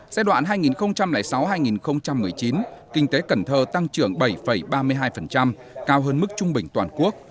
giai đoạn hai nghìn sáu hai nghìn một mươi chín kinh tế cần thơ tăng trưởng bảy ba mươi hai cao hơn mức trung bình toàn quốc